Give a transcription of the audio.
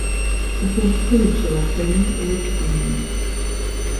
Я ўсё жыццё лічыла, што яны лепш за мяне.